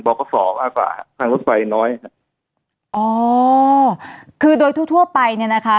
บอกสองกว่าทางรถไฟน้อยอ่อคือโดยทั่วไปเนี่ยนะคะ